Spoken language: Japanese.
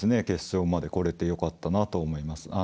決勝まで来れてよかったなと思います。